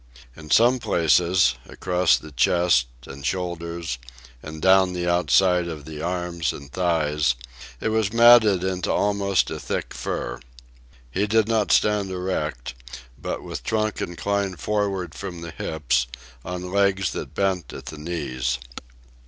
In some places, across the chest and shoulders and down the outside of the arms and thighs, it was matted into almost a thick fur. He did not stand erect, but with trunk inclined forward from the hips, on legs that bent at the knees.